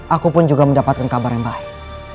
aku pun juga mendapatkan kabar yang baik